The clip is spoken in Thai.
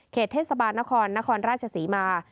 เขตเทศบาลนครนครราชสีมา